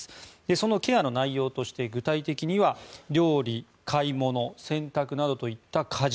そのケアの内容として具体的には料理、買い物などの家事